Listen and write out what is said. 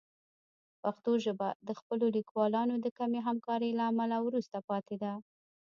پښتو ژبه د خپلو لیکوالانو د کمې همکارۍ له امله وروسته پاتې ده.